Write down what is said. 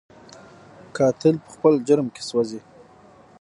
قاتل په خپل جرم کې سوځي